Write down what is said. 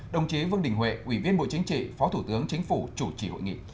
đồng chí vương đình huệ ubnd phó thủ tướng chính phủ chủ trì hội nghị